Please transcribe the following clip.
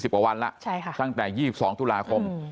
กว่าวันแล้วตั้งแต่๒๒ตุลาคม